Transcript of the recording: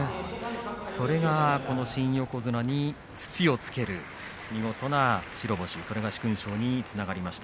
それがこの新横綱に土をつける見事な白星それが殊勲賞につながりました。